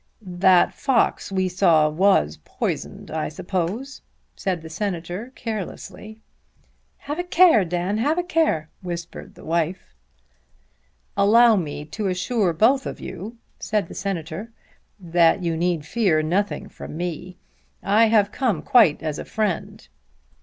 "That fox we saw was poisoned I suppose," said the Senator, carelessly. "Have a care, Dan; have a care!" whispered the wife. "Allow me to assure both of you," said the Senator, "that you need fear nothing from me. I have come quite as a friend."